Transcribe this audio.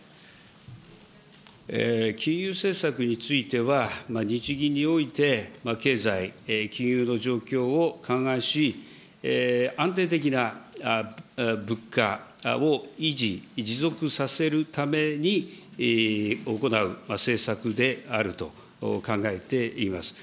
金融政策については、日銀において経済、金融の状況を勘案し、安定的な物価を維持、持続させるために行う政策であると考えています。